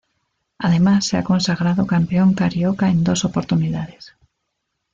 Además se ha consagrado campeón Carioca en dos oportunidades.